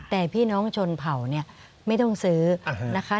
แต่พี่น้องชนเผ่าเนี่ยไม่ต้องซื้อนะคะ